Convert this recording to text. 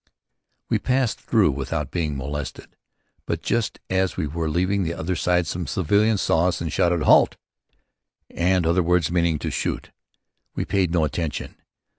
We passed through without being molested, but just as we were leaving the other side some civilians saw us and shouted "Halt!" and other words meaning "to shoot." We paid no attention.